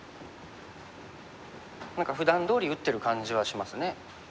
何かふだんどおり打ってる感じはしますね。